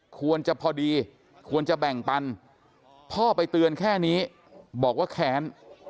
ควรจะพอดีควรจะแบ่งปันพ่อไปเตือนแค่นี้บอกว่าแค้น